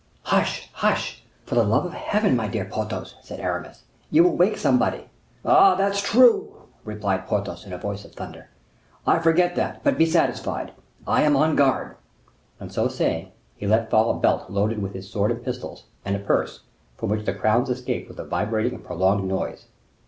"Hush! hush! for the love of Heaven, my dear Porthos!" said Aramis, "you will wake somebody." "Ah! that's true," replied Porthos, in a voice of thunder, "I forgot that; but be satisfied, I am on guard." And so saying, he let fall a belt loaded with his sword and pistols, and a purse, from which the crowns escaped with a vibrating and prolonged noise.